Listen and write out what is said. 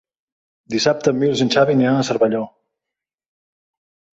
Dissabte en Milos i en Xavi aniran a Cervelló.